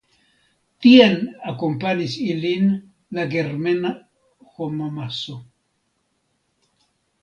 Tien akompanis ilin la germana homamaso.